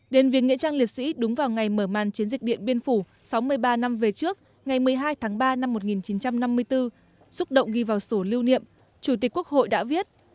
đến viếng nghĩa trang liệt sĩ đúng vào ngày mở màn chiến dịch điện biên phủ sáu mươi ba năm về trước ngày một mươi hai tháng ba năm một nghìn chín trăm năm mươi bốn xúc động ghi vào sổ lưu niệm chủ tịch quốc hội đã viết